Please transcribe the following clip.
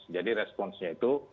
jadi responnya itu